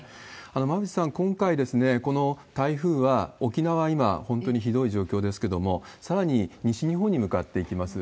馬渕さん、今回、この台風は、沖縄は今、本当にひどい状況ですけれども、さらに西日本に向かっていきます。